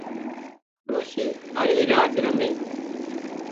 ڏوشي هاري راچ رمي